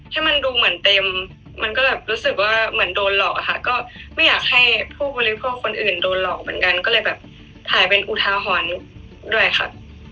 ให้มันดูเหมือนเต็มมันก็แบบรู้สึกว่าเหมือนโดนหลอกอะค่ะก็ไม่อยากให้ผู้บริโภคคนอื่นโดนหลอกเหมือนกันก็เลยแบบถ่ายเป็นอุทาหรณ์ด้วยค่ะ